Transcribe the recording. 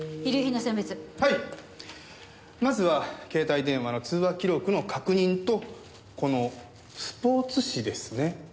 まずは携帯電話の通話記録の確認とこのスポーツ紙ですね。